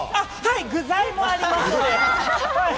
具材もあります。